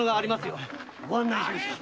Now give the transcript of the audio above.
ご案内しましょう。